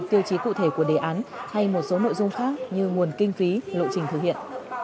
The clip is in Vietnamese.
tiêu chí cụ thể của đề án hay một số nội dung khác như nguồn kinh phí lộ trình thực hiện